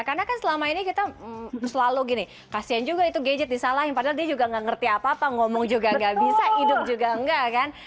karena kita selalu gini kasian juga itu gadget disalahin padahal dia juga gak ngerti apa apa ngomong juga gak bisa hidup juga gak kan